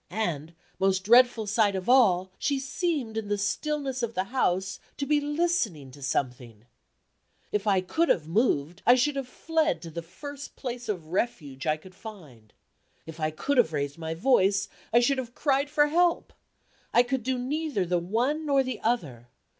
And, most dreadful sight of all, she seemed, in the stillness of the house, to be listening to something. If I could have moved, I should have fled to the first place of refuge I could find. If I could have raised my voice, I should have cried for help. I could do neither the one nor the other.